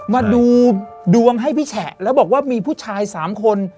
มาดูดวงให้พี่แฉะแล้วบอกว่ามีผู้ชาย๓คน